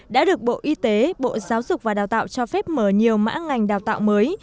đã được bộ y tế bộ giáo dục và đào tạo cho phép mở nhiều mã ngành đào tạo mới